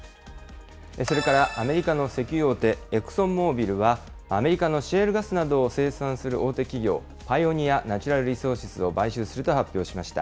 それからアメリカの石油大手、エクソンモービルはアメリカのシェールガスなどを生産する大手企業、パイオニア・ナチュラル・リソーシズを買収すると発表しました。